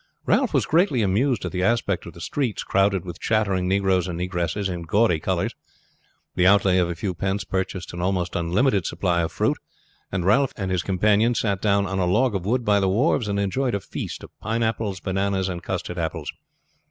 Ralph was greatly amused at the aspect of the streets crowded with chattering negroes and negresses, in gaudy colors. The outlay of a few pence purchased an almost unlimited supply of fruit, and Ralph and his companion sat down on a log of wood by the wharves and enjoyed a feast of pine apples, bananas, and custard apples.